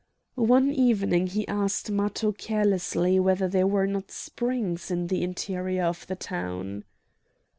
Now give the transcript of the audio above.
One evening he asked Matho carelessly whether there were not springs in the interior of the town.